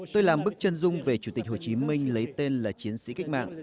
tôi làm bức chân dung về chủ tịch hồ chí minh lấy tên là chiến sĩ cách mạng